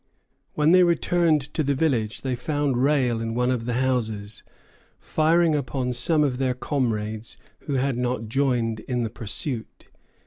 When they returned to the village they found Rale in one of the houses, firing upon some of their comrades who had not joined in the pursuit.